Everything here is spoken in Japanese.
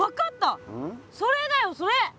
それだよそれ！何よ？